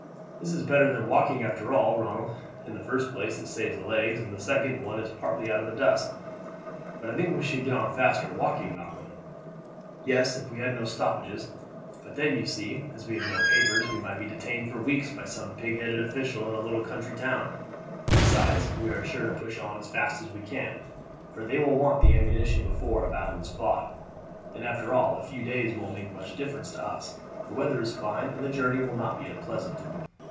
"This is better than walking after all, Ronald. In the first place it saves the legs, and in the second one is partly out of the dust." "But I think we should get on faster walking, Malcolm." "Yes, if we had no stoppages. But then, you see, as we have no papers we might be detained for weeks by some pig headed official in a little country town; besides, we are sure to push on as fast as we can, for they will want the ammunition before a battle is fought. And after all a few days won't make much difference to us; the weather is fine, and the journey will not be unpleasant."